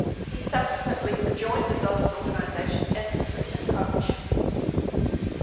He subsequently rejoined the Dodgers organization as an assistant coach.